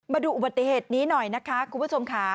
มาดูอุบัติเหตุนี้หน่อยนะคะคุณผู้ชมค่ะ